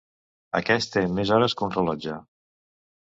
Aquest té més hores que un rellotge.